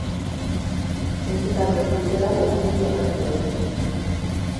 Nahiz eta duen luzera, lau zubi bakarrik daude.